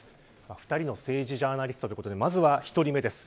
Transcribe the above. ２人の政治ジャーナリストということでまずは１人目です。